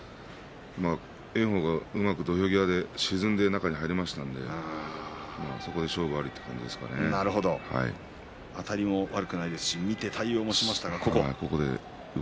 炎鵬はうまく土俵際で沈んで中に入りましたのでそこで勝負ありあたりも悪くないですし見て対応しましたが。